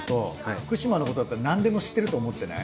福島のことだったらなんでも知ってると思ってない？